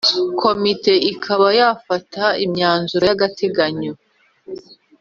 Komite ikaba yafata imyanzuro yagateganyo